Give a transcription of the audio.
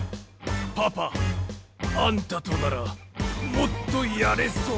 パパあんたとならもっとやれそう。